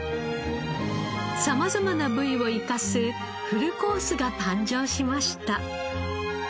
様々な部位を生かすフルコースが誕生しました。